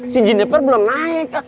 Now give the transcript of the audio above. si juniper belum naik